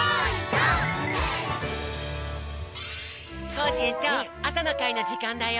コージえんちょうあさのかいのじかんだよ。